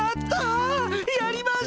やりました！